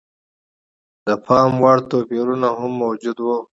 د پاموړ توپیرونه هم موجود و.